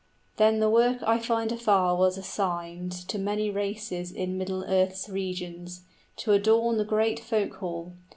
Then the work I find afar was assigned To many races in middle earth's regions, To adorn the great folk hall.